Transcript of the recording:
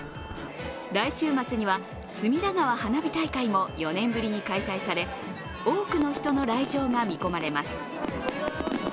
来週末には隅田川花火大会も４年ぶりに開催され、多くの人の来場が見込まれます。